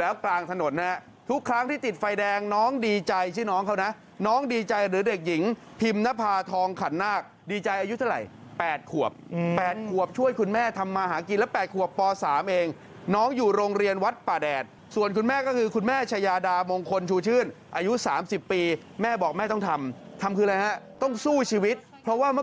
แล้วกลางถนนนะทุกครั้งที่ติดไฟแดงน้องดีใจชื่อน้องเขานะน้องดีใจหรือเด็กหญิงพิมนภาทองขันนาคดีใจอายุเท่าไหร่๘ขวบ๘ขวบช่วยคุณแม่ทำมาหากินแล้ว๘ขวบป๓เองน้องอยู่โรงเรียนวัดป่าแดดส่วนคุณแม่ก็คือคุณแม่ชายาดามงคลชูชื่นอายุ๓๐ปีแม่บอกแม่ต้องทำทำคืออะไรฮะต้องสู้ชีวิตเพราะว่าเมื่อ